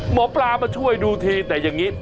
หมอปลามาช่วยดูทีแต่อย่างนี้